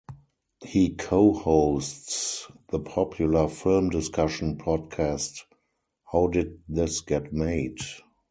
He co-hosts the popular film discussion podcast How Did This Get Made?